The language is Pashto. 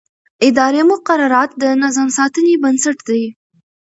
اداري مقررات د نظم ساتنې بنسټ دي.